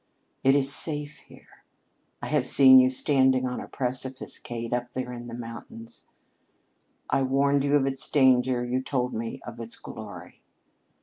It is safe here. I have seen you standing on a precipice, Kate, up there in the mountain. I warned you of its danger; you told me of its glory.